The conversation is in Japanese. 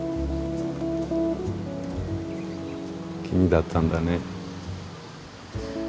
君だったんだね。